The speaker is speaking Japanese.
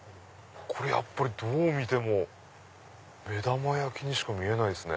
やっぱりどう見ても目玉焼きにしか見えないですね。